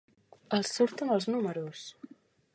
Els surten els números.